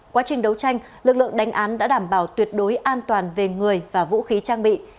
quá trình đấu tranh lực lượng đánh án đã đảm bảo tuyệt đối an toàn về người và vũ khí trang bị